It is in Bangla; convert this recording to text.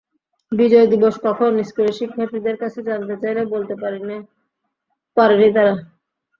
বিজয় দিবস কখন, স্কুলের শিক্ষার্থীদের কাছে জানতে চাইলে বলতে পারেনি তারা।